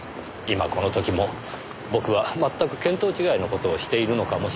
今この時も僕は全く見当違いの事をしているのかもしれません。